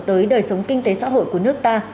tới đời sống kinh tế xã hội của nước ta